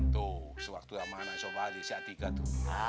tuh sewaktu sama anak anak balik si atika tuh